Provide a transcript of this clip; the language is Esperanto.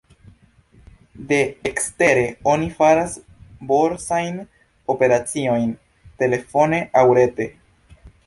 De ekstere oni faras borsajn operaciojn telefone aŭ rete.